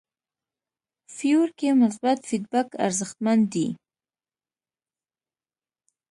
فیور کې مثبت فیډبک ارزښتمن دی.